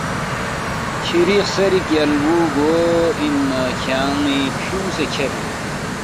کِھری خسیری کیالبُو گو اِن نہ کھیانگ فیُونگسے کھیر